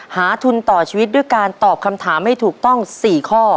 ทุนต่อชีวิตด้วยการตอบคำถามให้ถูกต้อง๔ข้อ